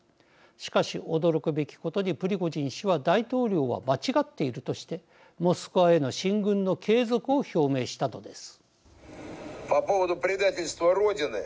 しかし、驚くべきことにプリゴジン氏は大統領は間違っているとしてモスクワへの進軍の継続を表明したのです。